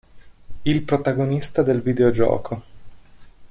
Il protagonista del videogioco.